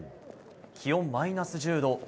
気温マイナス１０度。